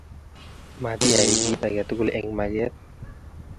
Matiyai kit age tukul eng maket